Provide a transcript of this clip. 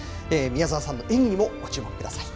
宮沢さんの演技にもご注目ください。